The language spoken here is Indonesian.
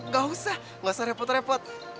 gausah gausah repot repot